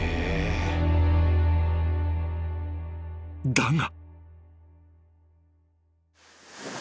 ［だが］